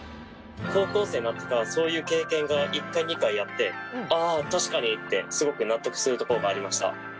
高校生になってからそういう経験が１回２回あって確かにってすごく納得するところがありました。